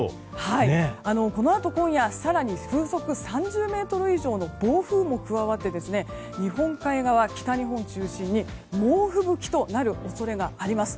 このあと今夜更に風速３０メートル以上の暴風も加わって日本海側、北日本中心に猛吹雪となる恐れがあります。